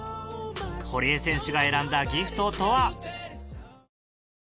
堀江選手が選んだギフトとは？